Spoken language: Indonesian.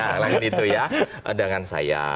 dengan itu ya dengan saya